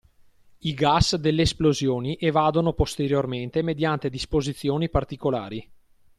I gas delle esplosioni evadono posteriormente mediante disposizioni particolari.